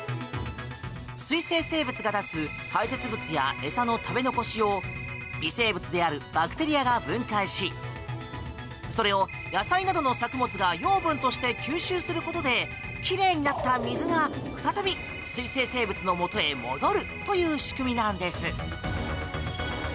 水生生物が出す排せつ物や餌の食べ残しを微生物であるバクテリアが分解しそれを野菜などの作物が養分として吸収することで奇麗になった水が再び水生生物のもとへ戻るという仕組みなんです。